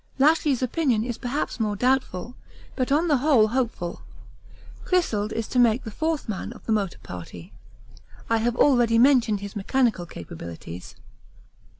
Lashly's opinion is perhaps more doubtful, but on the whole hopeful. Clissold is to make the fourth man of the motor party. I have already mentioned his mechanical capabilities.